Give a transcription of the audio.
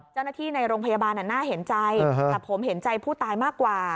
ในโรงพยาบาลน่าเห็นใจแต่ผมเห็นใจผู้ตายมากกว่า